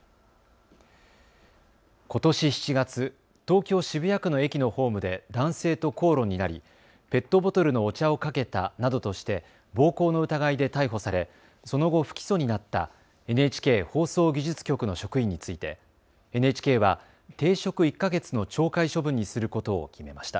ことし７月、東京渋谷区の駅のホームで男性と口論になりペットボトルのお茶をかけたなどとして暴行の疑いで逮捕されその後、不起訴になったＮＨＫ放送技術局の職員についてＮＨＫは停職１か月の懲戒処分にすることを決めました。